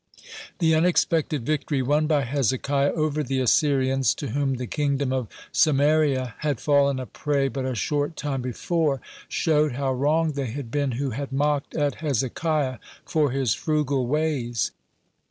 (65) The unexpected victory won by Hezekiah over the Assyrians, to whom the kingdom of Samaria had fallen a prey but a short time before, showed how wrong they had been who had mocked at Hezekiah for his frugal ways.